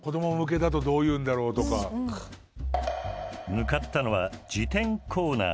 向かったのは事典コーナー。